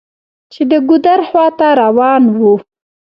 چې د ګودر خواته روان و.